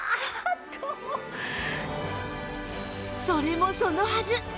それもそのはず